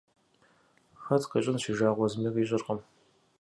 Хэт къищӏын си жагъуэ зыми къищӏыркъым.